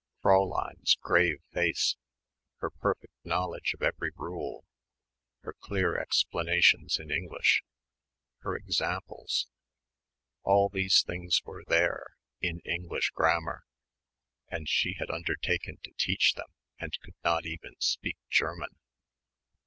Fräulein's grave face ... her perfect knowledge of every rule ... her clear explanations in English ... her examples.... All these things were there, in English grammar.... And she had undertaken to teach them and could not even speak German.